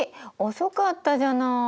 遅かったじゃない。